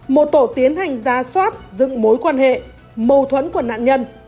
một tổ tiến hành ra soát dựng mối quan hệ mâu thuẫn của nạn nhân